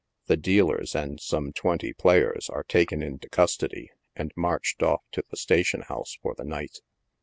The dealers, and some twenty players, are taken into custody, and marched off to the station house for the night.